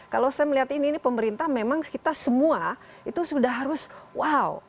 kalau saya melihat ini pemerintah memang kita semua itu sudah harus wow